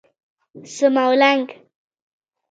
څماولنګ